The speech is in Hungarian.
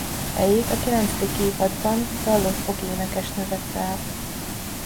Helyét a kilencedik évadban Dallos Bogi énekesnő vette át.